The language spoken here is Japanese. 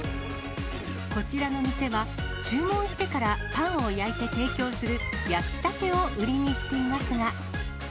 こちらの店は、注文してからパンを焼いて提供する、焼きたてを売りにしていますが。